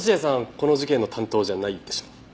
この事件の担当じゃないでしょう。